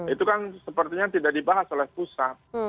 itu kan sepertinya tidak dibahas oleh pusat